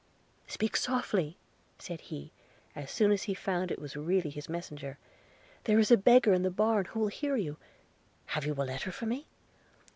'Speak softly!' said he, as soon as he found it was really his messenger – 'there is a beggar in the barn who will hear you; have you a letter for me?'